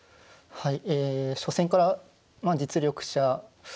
はい。